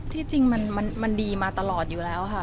ที่จริงมันดีมาตลอดอยู่แล้วค่ะ